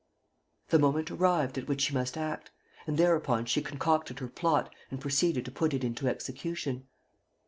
... The moment arrived at which she must act; and thereupon she concocted her plot and proceeded to put it into execution.